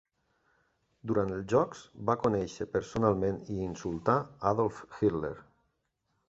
Durant els jocs, va conèixer personalment i insultar Adolf Hitler.